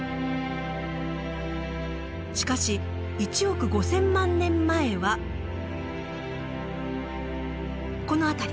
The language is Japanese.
しかし１億５，０００万年前はこの辺り。